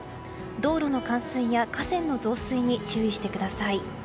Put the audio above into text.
道路の冠水や河川の増水に注意してください。